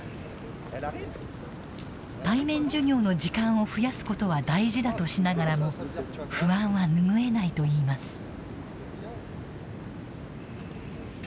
対面授業の時間を増やすことは大事だとしながらも不安は拭えないといいます。